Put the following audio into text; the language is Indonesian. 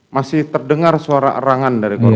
masih terdengar suara arangan dari golkar